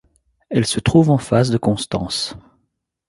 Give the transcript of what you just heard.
Elle se trouve en face de Constance.